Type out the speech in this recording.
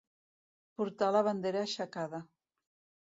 Portar la bandera aixecada.